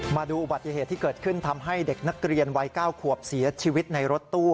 มาดูอุบัติเหตุที่เกิดขึ้นทำให้เด็กนักเรียนวัย๙ขวบเสียชีวิตในรถตู้